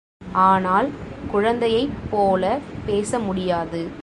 ஆனால் குழந்தையைப் போலப் பேச முடியாது.